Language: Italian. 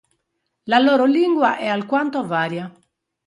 La loro lingua è alquanto varia.